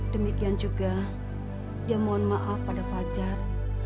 demikian juga dia mohon maaf pada fajar